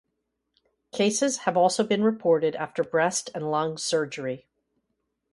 Cases have also been reported after breast and lung surgery.